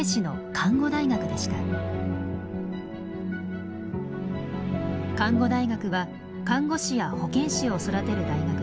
看護大学は看護師や保健師を育てる大学です。